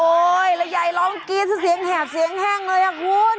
โอ้ยละยายลองกินเสียงแหดเสียงแห้งเลยอ่ะคุณ